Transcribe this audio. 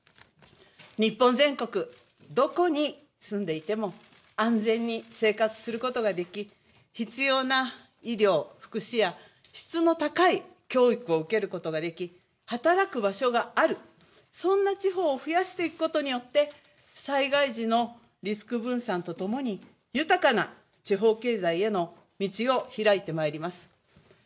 日本全国、どこに住んでいても安全に生活することができ、必要な医療、福祉や質の高い教育を受けることができ働く場所がある、そんな地方を増やしていくことによって災害時のリスク分散とともに豊かな地方経済への道を開いてまいります。